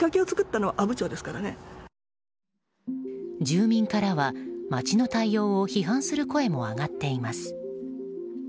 住民からは町の対応を批判する声も上がっています。